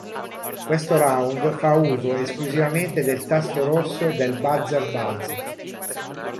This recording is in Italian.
Questo round fa uso esclusivamente del tasto rosso del Buzzer-Buzz!.